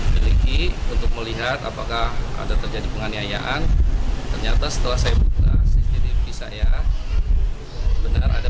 memiliki untuk melihat apakah ada terjadi penganiayaan ternyata setelah saya minta